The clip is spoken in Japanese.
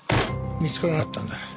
見つからなかったんだ。